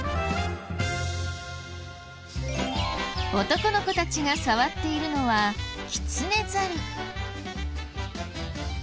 男の子たちが触っているのはキツネザル。